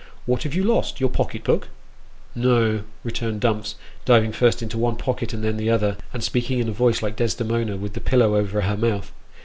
" What have you lost ? Your pocket book ?"" No" returned Dumps, diving first into one pocket and then into the other, and speaking in a voice like Desdemona with the pillow over her mouth.